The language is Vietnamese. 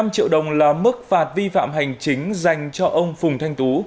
bảy năm triệu đồng là mức phạt vi phạm hành chính dành cho ông phùng thanh tú